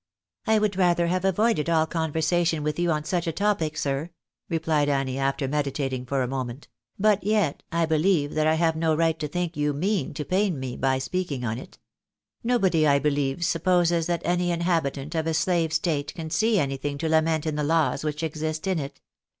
" I would rather have avoided alL conversation with you on such a topic, sir," replied Annie, after meditating for a moment ;" but yet, I believe that I have no right to think you mean to pain me by speaking on it. Nobody, I believe, supposes that any inhabitant of a slave State can see anything to lament in the laws which exist in it.